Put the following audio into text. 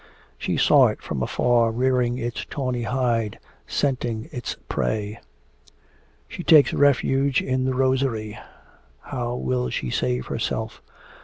She saw it from afar rearing its tawny hide, scenting its prey. She takes refuge in the rosery. How will she save herself?